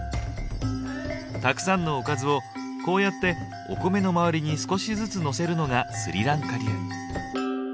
たくさんのおかずをこうやってお米の周りに少しずつのせるのがスリランカ流。